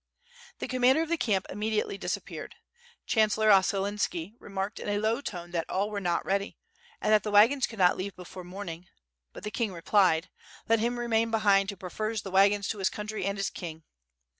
The commander of the camp immediately disappeared. Chancellor Ossolinski remarked in a low tone that all were not ready, and that the wagons could not leave before morn ing. But the king replied: "Let him remain behind who prefers the wagons to his country and his king."